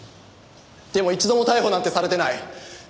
でも一度も逮捕なんてされてない。